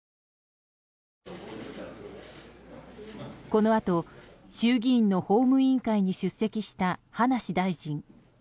このあと、衆議院の法務委員会に出席した葉梨大臣。